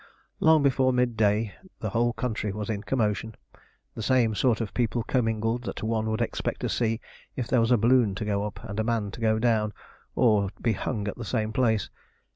Long before midday the whole country was in commotion. The same sort of people commingled that one would expect to see if there was a balloon to go up, and a man to go down, or be hung at the same place.